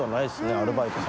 アルバイトさん。